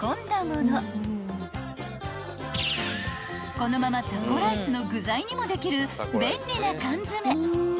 ［このままタコライスの具材にもできる便利な缶詰］